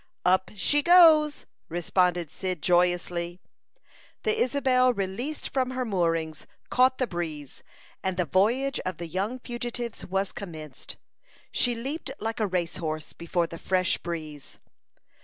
"Up she goes," responded Cyd, joyously. The Isabel, released from her moorings, caught the breeze, and the voyage of the young fugitives was commenced. She leaped like a race horse before the fresh breeze.